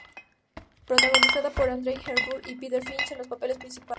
Protagonizada por Audrey Hepburn y Peter Finch en los papeles principales.